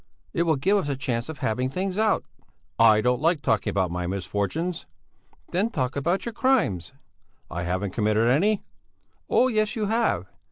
It will give us a chance of having things out." "I don't like talking about my misfortunes." "Then talk about your crimes!" "I haven't committed any!" "Oh, yes, you have!